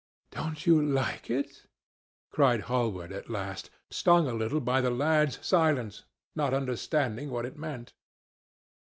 "Don't you like it?" cried Hallward at last, stung a little by the lad's silence, not understanding what it meant.